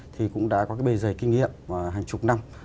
thì cũng đã có cái bề dày kinh nghiệm hàng chục năm